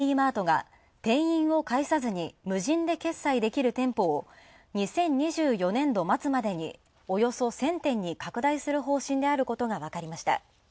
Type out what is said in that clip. コンビニ大手のファミリーマートが店員を介さずに無人で決済できる店舗を２０２４年度末までに、およそ１０００店に拡大する方針であることが分かりました。